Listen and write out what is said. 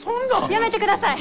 やめてください！